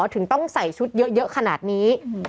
ถึงต้องใส่ชุดเยอะขนาดนี้